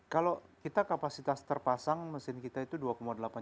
kalau kita kapasitas terpasang mesin kita itu dua delapan juta